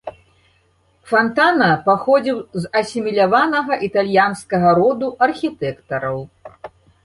Фантана паходзіў з асіміляванага італьянскага роду архітэктараў.